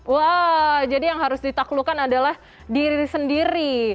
wah jadi yang harus ditaklukkan adalah diri sendiri